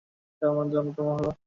তার মধ্যে অন্যতম হল-